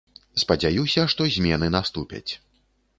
Спадзяюся, што змены наступяць.